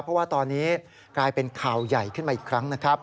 เพราะว่าตอนนี้กลายเป็นข่าวใหญ่ขึ้นมาอีกครั้งนะครับ